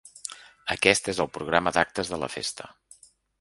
Aquest és el programa d’actes de la Festa.